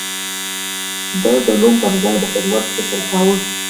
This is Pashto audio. ده د نوم پر ځای د خدمت فکر کاوه.